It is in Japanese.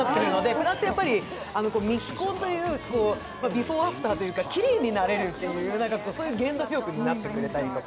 プラスミスコンという、ビフォー・アフターというきれいになれるっていう、原動力になってくれるというか。